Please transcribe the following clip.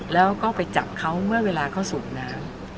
และจะไปจับเขาเวลาเข้าสูกน้ำ